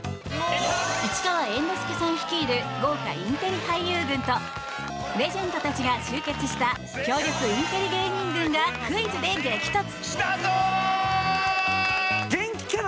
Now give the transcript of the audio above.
市川猿之助さん率いる豪華インテリ俳優軍とレジェンドたちが集結した強力インテリ芸人軍がクイズで激突。